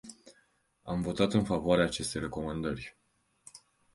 Am votat în favoarea acestei recomandări.